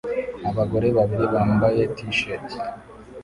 Abagore babiri bambaye t-shati